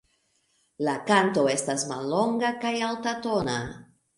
La kanto estas mallonga kaj altatona.